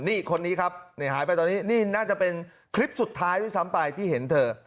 นี่คนนี้ครับหายไปตอนนี้นี่น่าจะเป็นคลิปสุดท้ายด้วยซ้ำไปที่เห็นเธอ